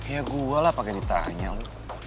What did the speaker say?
ya gua lah pake ditanya lo